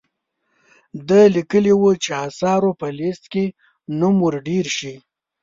ده لیکلي وو چې آثارو په لیست کې نوم ور ډیر شي.